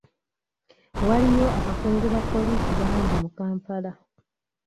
Waliyo abakungu ba poliisi bangi mu Kampala.